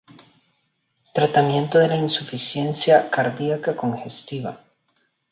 Tratamiento de la insuficiencia cardiaca congestiva.